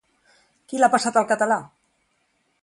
Qui l'ha passat al català?